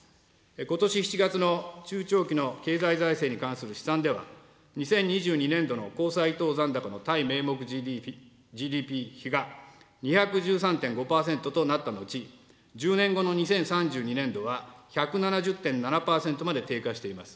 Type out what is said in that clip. ことし７月の中長期の経済財政に関する試算では、２０２２年度の公債等残高の対名目ＧＤＰ比が２１３．５％となった後、１０年後の２０３２年度は１７０．７％まで低下しています。